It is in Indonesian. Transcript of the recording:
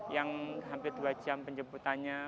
yang hampir dua jam penjemputannya